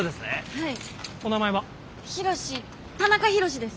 はい。